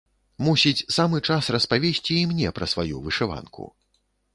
Мусіць, самы час распавесці і мне пра сваю вышыванку.